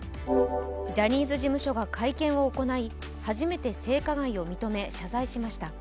ジャニーズ事務所が会見を行い初めて性加害を認め、謝罪しました。